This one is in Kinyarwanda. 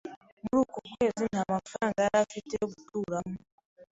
Muri uko kwezi, nta mafaranga yari afite yo guturamo.